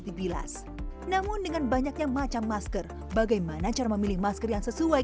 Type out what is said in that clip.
dibilas namun dengan banyaknya macam masker bagaimana cara memilih masker yang sesuai